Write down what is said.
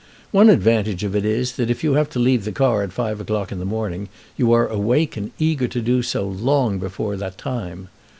One advantage of it is that if you have to leave the car at five o'clock in the morning, you are awake and eager to do so long before that time.